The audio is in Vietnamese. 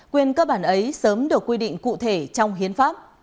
quyền cơ bản ấy sớm được quy định cụ thể trong hiến pháp